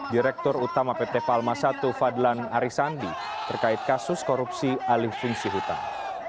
direktur utama pt palma i fadlan arisandi terkait kasus korupsi alih fungsi hutan